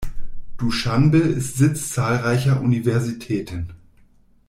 Duschanbe ist Sitz zahlreicher Universitäten.